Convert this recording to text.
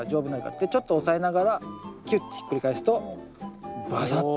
でちょっと押さえながらキュッてひっくり返すとバサッと。